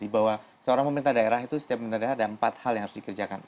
di bawah seorang pemerintah daerah itu setiap pemerintah daerah ada empat hal yang harus dikerjakan